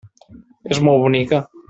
És molt bonica.